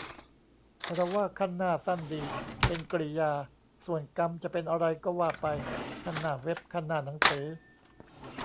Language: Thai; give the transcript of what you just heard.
เราว่า "คั่นหน้า" สั้นดี เป็นกริยา ส่วนกรรมจะเป็นอะไรก็ว่าไป คั่นหน้าเว็บ คั่นหน้าหนังสือ